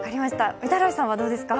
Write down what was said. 御手洗さんはどうですか？